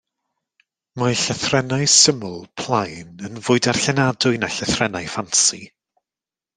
Mae llythrennau syml, plaen, yn fwy darllenadwy na llythrennau ffansi.